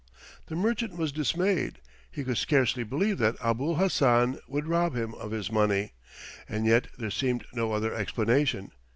The merchant was dismayed. He could scarcely believe that Abul Hassan would rob him of his money, and yet there seemed no other explanation.